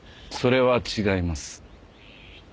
それは違います。